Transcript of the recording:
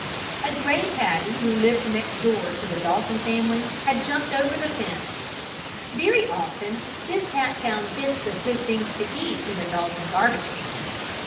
A gray tabby, who lived next door to the Dalton family, had jumped over the fence. Very often this cat found bits of good things to eat in the Dalton garbage can.